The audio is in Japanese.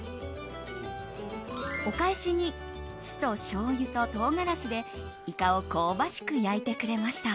お返しに酢としょうゆと唐辛子でイカを香ばしく焼いてくれました。